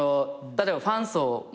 例えばファン層